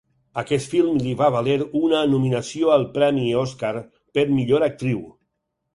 Aquest film li va valer una nominació al premi Oscar per millor actriu.